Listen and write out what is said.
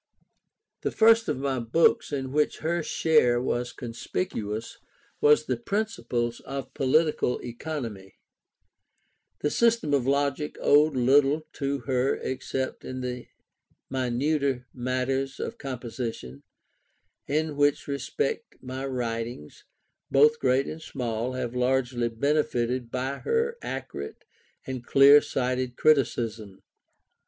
The first of my books in which her share was conspicious was the Principles of Political Economy. The System of Logic owed little to her except in the minuter matters of composition, in which respect my writings, both great and small, have largely benefited by her accurate and clear sighted criticism.